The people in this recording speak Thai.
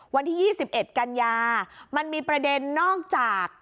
วันที่๒๑กันยามันมีประเด็นนอกจาก